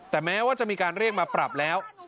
แต่แม้ว่าจะมีการเรียกมาปรับแล้ว